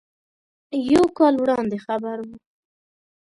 یو کال وړاندې خبر و.